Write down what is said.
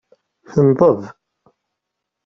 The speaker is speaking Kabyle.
Tenḍeb.